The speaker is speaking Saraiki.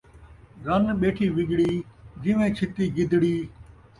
رن ٻیٹھی وڳڑی ، جیویں چھتی گدڑی